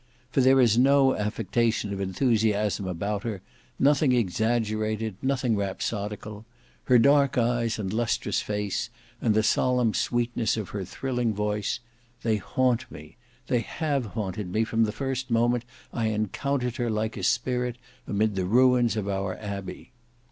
For there is no affectation of enthusiasm about her; nothing exaggerated, nothing rhapsodical. Her dark eyes and lustrous face, and the solemn sweetness of her thrilling voice—they haunt me; they have haunted me from the first moment I encountered her like a spirit amid the ruins of our abbey.